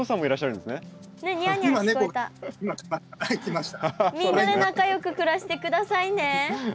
みんなで仲良く暮らして下さいね。